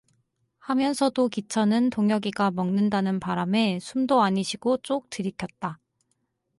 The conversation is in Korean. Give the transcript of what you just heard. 하면서도 기천은 동혁이가 먹는다는 바람에 숨도 아니 쉬고 쪼옥 들이켰다.